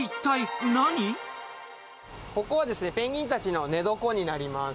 ここはですね、ペンギンたちの寝床になります。